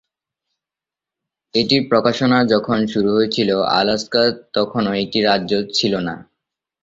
এটির প্রকাশনা যখন শুরু হয়েছিল আলাস্কা তখনো একটি রাজ্য ছিল না।